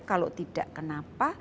kalau tidak kenapa